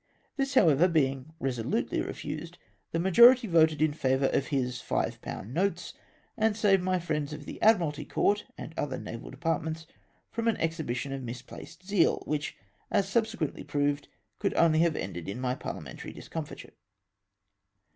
This, however, being resolutely refused, the majority voted in favour of his five pound notes, and saved my friends of the Admiralty Court and other naval departments from an exliibition of misplaced zeal, which, as subsequently proved, could only have ended m my parhamentary discomfitm e.